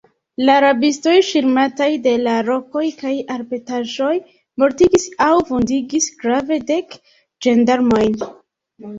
La rabistoj, ŝirmataj de la rokoj kaj arbetaĵoj, mortigis aŭ vundigis grave dek ĝendarmojn.